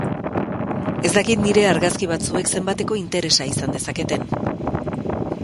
Ez dakit nire argazki batzuek zenbateko interesa izan dezaketen.